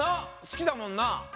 好きだもんな？